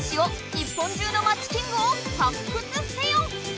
日本中のまちキングを発掘せよ！